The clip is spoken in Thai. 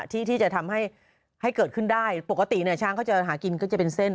ที่จะทำให้ให้เกิดขึ้นได้ปกติเนี่ยช้างเขาจะหากินก็จะเป็นเส้น